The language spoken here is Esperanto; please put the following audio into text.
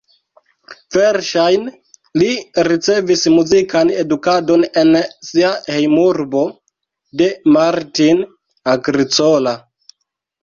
Verŝajne li ricevis muzikan edukadon en sia hejmurbo de Martin Agricola.